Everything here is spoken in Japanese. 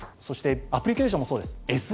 そしてアプリケーションもそうです。